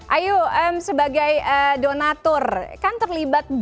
ayo sebagai donator kan terlibat berapa